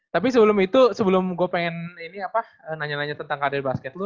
tapi sebelum itu sebelum gue pengen nanya nanya tentang karir basket lu